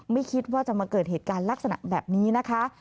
ไม่คิดว่าจะมาเกิดเหตุการณ์ลักษณะแบบนี้นะคะ